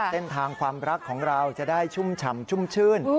เส้นทางความรักของเราจะได้ชุ่มฉ่ำชุ่มชื่น